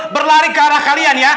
berlari ke arah kalian ya